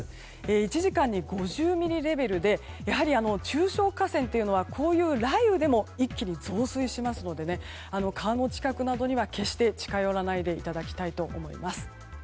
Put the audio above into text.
１時間に５０ミリレベルでやはり中小河川というのはこういう雷雨でも一気に増水しますので川の近くなどには決して近寄らないでいただきたいと思います。